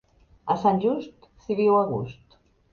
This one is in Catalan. A Sant Just s'hi viu a gust!